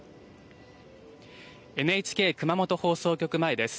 ＮＨＫ熊本放送局前です。